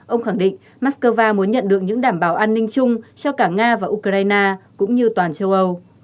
ông khẳng định moscow muốn nhận được những đảm bảo an ninh chung cho cả nga và ukraine cũng như toàn châu âu